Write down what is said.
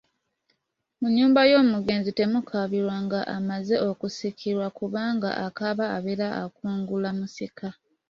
Mu nnyumba y’omugenzi temukaabirwa nga amaze okusikirwa kubanga akaaba abeera akungula musika.